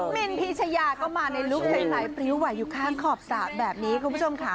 มินพีชยาก็มาในลุคใสพริ้วไหวอยู่ข้างขอบสระแบบนี้คุณผู้ชมค่ะ